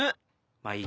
まぁいい。